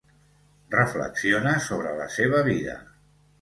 Reflexiona sobre la seva vida.